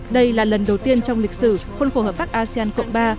đây là lần đầu tiên trong lịch sử khuôn khổ hợp bắc asean cộng ba